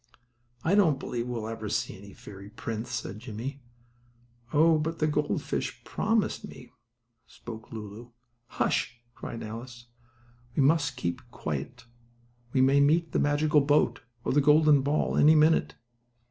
"I don't believe we'll ever see any fairy prince," said Jimmie. "Oh! but the gold fish promised me," spoke Lulu. "Hush!" cried Alice. "We must keep very quiet. We may meet the magical boat, or the golden ball, any minute."